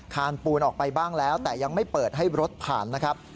นปูนออกไปบ้างแล้วแต่ยังไม่เปิดให้รถผ่านนะครับ